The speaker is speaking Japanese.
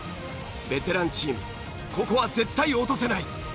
ベテランチームここは絶対落とせない！